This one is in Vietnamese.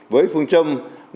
với phương châm